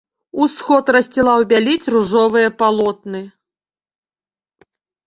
Усход рассцiлаў бялiць ружовыя палотны.